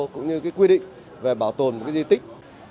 cũng như cái quy định về bảo tồn cái di tích